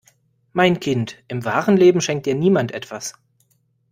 Mein Kind, im wahren Leben schenkt dir niemand etwas.